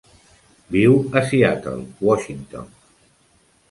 Viu a Seattle, Washington.